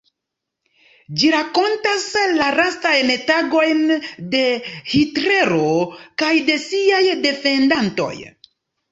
Ĝi rakontas la lastajn tagojn de Hitlero kaj de siaj defendantoj.